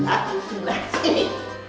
aku sebelah sini